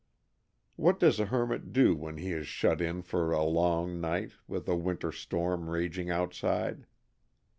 What does a hermit do when he is shut in for a long night with a winter storm raging outside?